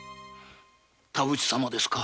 田淵様ですか。